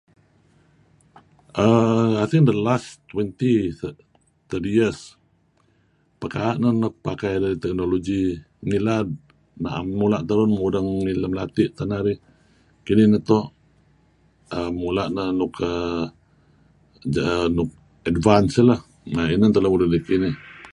"uhm ""The last twenty thirty years"" pekaa' neh nuk pakai teknologi. Ngilad, naem mula' terun mudgudeh ngih lem lati' tah narih. Kinih neto' uhm mula' neh uhm nuk advance iih lah. May ideh kineh. "